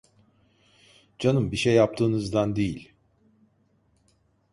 Canım, bir şey yaptığınızdan değil.